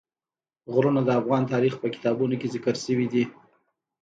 غرونه د افغان تاریخ په کتابونو کې ذکر شوی دي.